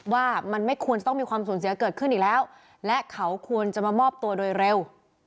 ว่ามันไม่ควรจะต้องมีความสูญเสียเกิดขึ้นอีกแล้วและเขาควรจะมามอบตัวโดยเร็ว